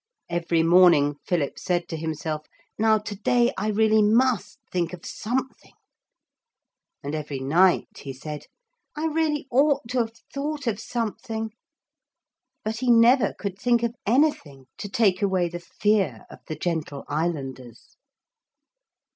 Every morning Philip said to himself, 'Now to day I really must think of something,' and every night he said, 'I really ought to have thought of something.' But he never could think of anything to take away the fear of the gentle islanders.